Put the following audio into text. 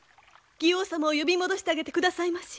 妓王様を呼び戻してあげてくださいまし。